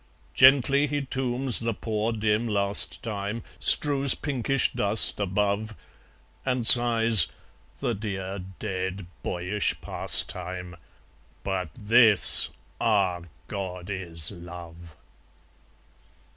Gently he tombs the poor dim last time, Strews pinkish dust above, And sighs, "The dear dead boyish pastime! But THIS ah, God! is Love!"